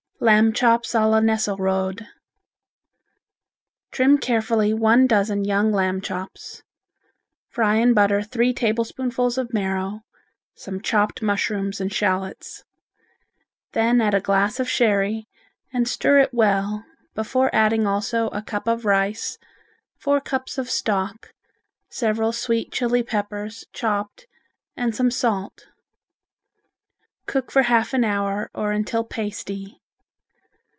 Lamb Chops a la Nesselrode Trim carefully one dozen young lamb chops. Fry in butter three tablespoonfuls of marrow, some chopped mushrooms and eschalots. Then add a glass of sherry and stir it well before adding also a cup of rice, four cups of stock, several sweet Chili peppers chopped and some salt. Cook for half an hour or until pasty.